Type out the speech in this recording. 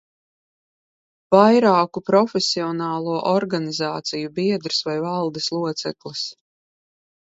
Vairāku profesionālo organizāciju biedrs vai valdes loceklis.